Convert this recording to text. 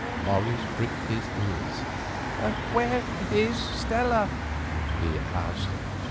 Morris pricked his ears. "Where is Stella?" he asked.